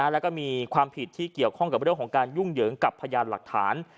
แล้วก็มีความผิดที่เกี่ยวข้องกับเรื่องของการยุ่งเหยิงกับพยานหลักฐาน